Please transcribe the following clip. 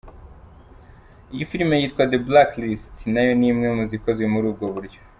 Iyi film yitwa The Blacklist nayo ni imwe mu zikoze muri ubwo buryo.